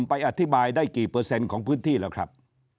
ไปอธิบายได้กี่เปอร์เซ็นต์ของพื้นที่แล้วครับ